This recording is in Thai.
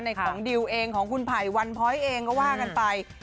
ของดิวเองของคุณไผ่วันพ้อยเองก็ว่ากันไป